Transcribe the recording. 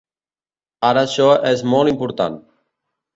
Ara això és molt important.